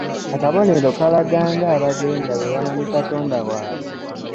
Akabonero Kano kalaga ng'abaganda bwe bamanyi Katonda waabwe.